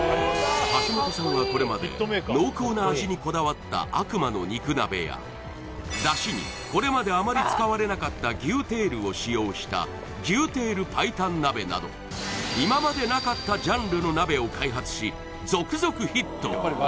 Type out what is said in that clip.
橋本さんはこれまで濃厚な味にこだわった悪魔の肉鍋や出汁にこれまであまり使われなかった牛テールを使用した牛テール白湯鍋など今までなかったジャンルの鍋を開発し続々ヒット